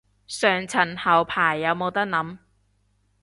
上層後排有冇得諗